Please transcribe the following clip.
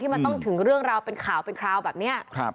มันต้องถึงเรื่องราวเป็นข่าวเป็นคราวแบบนี้